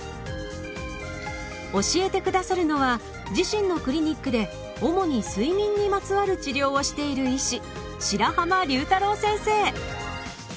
教えて下さるのは自身のクリニックで主に睡眠にまつわる治療をしている医師